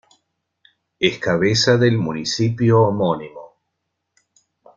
Es cabeza del municipio homónimo.